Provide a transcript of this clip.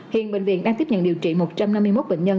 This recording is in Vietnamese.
hiện bệnh viện đang tiếp nhận điều trị một trăm năm mươi một bệnh nhân